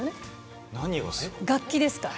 楽器ですから。